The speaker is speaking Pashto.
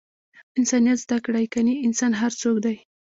انسانیت زده کړئ! کنې انسان هر څوک دئ!